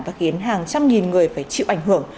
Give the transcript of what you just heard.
và khiến hàng trăm nghìn người phải chịu ảnh hưởng